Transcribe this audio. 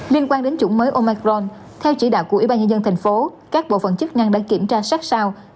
liên quan đến chủng mới omicron theo chỉ đạo của y tế tp hcm các bộ phận chức năng đã kiểm tra sát sao